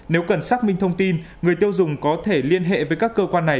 nếu cần xác minh thông tin người tiêu dùng có thể liên hệ với các cơ quan này